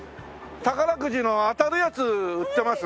宝くじの当たるやつ売ってます？